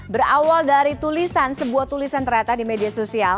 berawal dari tulisan sebuah tulisan ternyata di media sosial